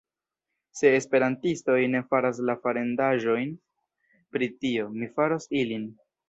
Se Esperantistoj ne faras la farendaĵojn pri tio, mi faros ilin.